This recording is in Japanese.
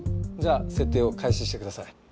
じゃあ設定を開始してください。